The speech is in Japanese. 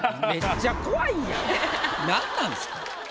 何なんすか。